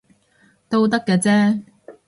都得嘅啫